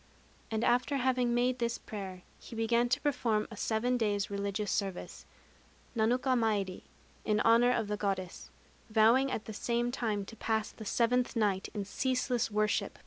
And after having made this prayer, he began to perform a seven days' religious service (nanuka mairi) in honor of the Goddess; vowing at the same time to pass the seventh night in ceaseless worship before her shrine.